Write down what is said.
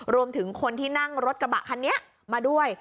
รวมถึงคนที่นั่งรถกระบะคันนี้มาด้วย